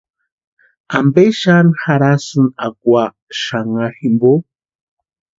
¿Ampe xani jarhasïni akwa xanharu jimpo?